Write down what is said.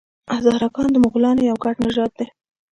هزاره ګان د مغولانو یو ګډ نژاد دی.